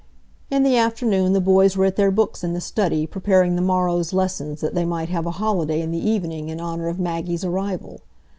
In the afternoon the boys were at their books in the study, preparing the morrow's lessons that they might have a holiday in the evening in honour of Maggie's arrival.